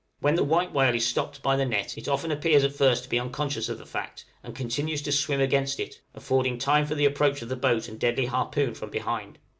When the white whale is stopped by the net it often appears at first to be unconscious of the fact, and continues to swim against it, affording time for the approach of the boat and deadly harpoon from behind.